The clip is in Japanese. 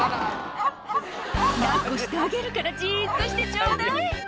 「抱っこしてあげるからじっとしてちょうだい」